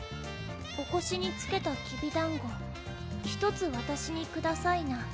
「お腰につけたきびだんご１つわたしにくださいな」